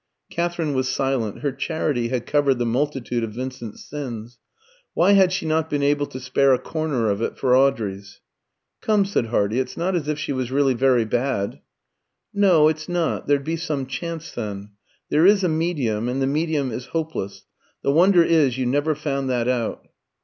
Katherine was silent. Her charity had covered the multitude of Vincent's sins. Why had she not been able to spare a corner of it for Audrey's? "Come," said Hardy, "it's not as if she was really very bad." "No, it's not; there'd be some chance then. There is a medium, and the medium is hopeless. The wonder is you never found that out."